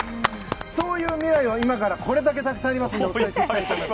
そういう未来を今からこれだけたくさんありますのでお伝えしていきたいと思います。